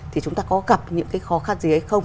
thì chúng ta có cặp những khó khăn gì hay không